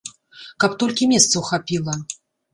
Каб толькі месцаў хапіла!